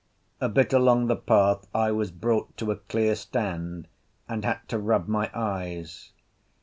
A bit along the path I was brought to a clear stand, and had to rub my eyes.